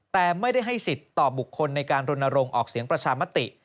แต่ไม่ได้ให้สิทธิ์ต่อบุคคลในการรณรงค์ออกเสียงประชามติ